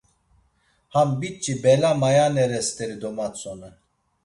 Ham biç̌i bela mayanere steri domatzonen.